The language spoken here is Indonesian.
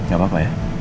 gak apa apa ya